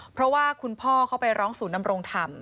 เพราะว่าคุณพ่อเขาไปร้องศูนย์นำรงธรรม